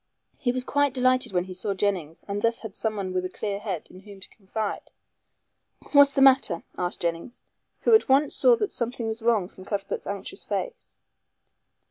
He was quite delighted when he saw Jennings and thus had someone with a clear head in whom to confide. "What's the matter?" asked Jennings, who at once saw that something was wrong from Cuthbert's anxious face.